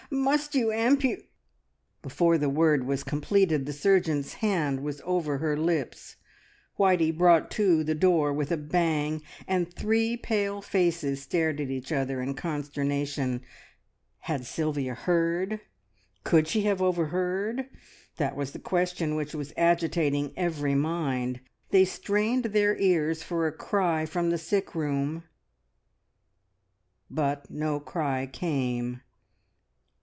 Must you ampu " Before the word was completed the surgeon's hand was over her lips, Whitey brought to the door with a bang, and three pale faces stared at each other in consternation. Had Sylvia heard? Could she have overheard? That was the question which was agitating every mind. They strained their ears for a cry from the sick room, but no cry came.